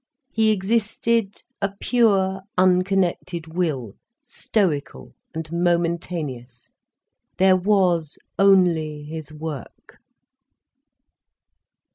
He existed a pure, unconnected will, stoical and momentaneous. There was only his work.